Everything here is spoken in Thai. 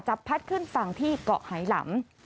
พัดขึ้นฝั่งที่เกาะไหลำ